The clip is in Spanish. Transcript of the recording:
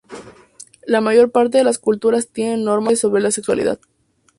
La mayor parte de las culturas tienen normas sociales sobre la sexualidad.